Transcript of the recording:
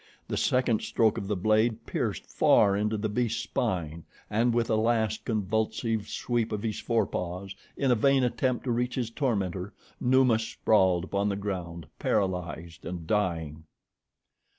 The second stroke of the blade pierced far into the beast's spine, and with a last convulsive sweep of the fore paws, in a vain attempt to reach his tormentor, Numa sprawled upon the ground, paralyzed and dying.